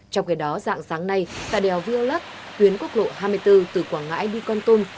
trong ngày đó dạng sáng nay tại đèo viu lắc huyến quốc lộ hai mươi bốn từ quảng ngãi đi con tôn